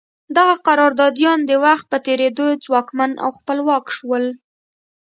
دغه قراردادیان د وخت په تېرېدو ځواکمن او خپلواک شول.